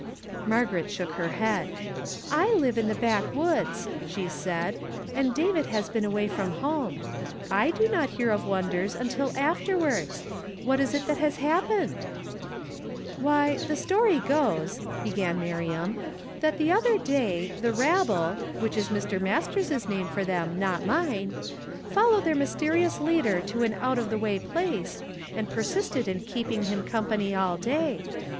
Margaret shook her head. "• I live in the back woods," she said ;" and David has been away from home. I do not hear of wondere, until afterwards. What is it that has happened ?" "Why, the story goes," began Miriam, "that iii h 202 YKSTEHDAY FRAMKI) IN TO nA<" the (.tlier day 'the rubble '— which is INfr. Mas U'l s's name for tliem, not mine — folh.wed their niysterions U'ader to an out of the uay phiee, and pei sisted in keepin.tr him company all day.